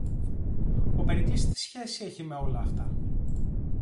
Ο Περικλής τι σχέση έχει με όλα αυτά;